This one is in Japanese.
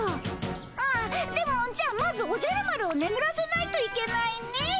ああでもじゃあまずおじゃる丸をねむらせないといけないねえ。